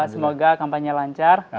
semoga kampanye lancar